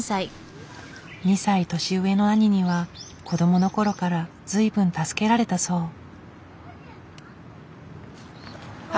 ２歳年上の兄には子供の頃から随分助けられたそう。